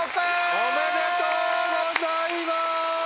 おめでとうございます！